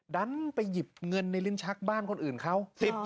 ดันไปหยิบเงินในลิ้นชักบ้านคนอื่นเขา